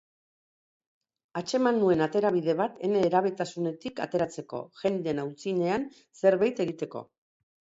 Atxeman nuen aterabide bat ene herabetasunatik ateratzeko, jenden aitzinean zerbeit egiteko.